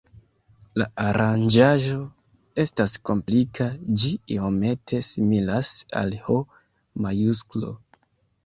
La aranĝaĵo estas komplika, ĝi iomete similas al H-majusklo.